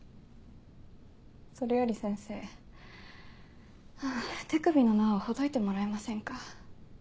それより先生手首の縄をほどいてもらえませんか？